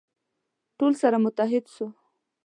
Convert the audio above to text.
ټول سره متحد سو.